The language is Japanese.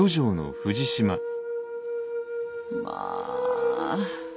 まあ！